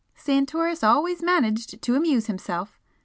"Santoris always managed to amuse himself!"